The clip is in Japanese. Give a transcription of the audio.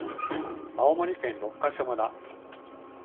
青森県六ヶ所村